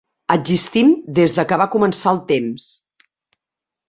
Existim des que va començar el temps.